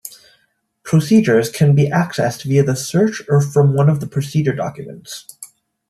Procedures can be accessed via the search or from one of the procedure documents.